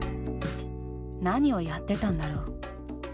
何をやってたんだろう。